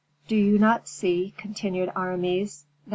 "Do you not see," continued Aramis, "that M.